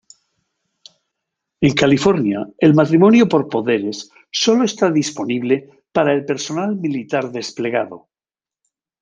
En California, el matrimonio por poderes sólo está disponible para el personal militar desplegado.